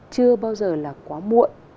chưa bao giờ là quá muộn